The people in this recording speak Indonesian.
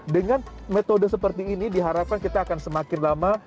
dengan metode seperti ini diharapkan kita akan semakin lama